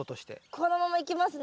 このままいきますね。